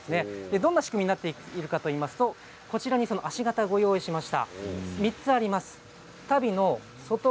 どんな仕組みになっているのかといいますと足型をご用意しました。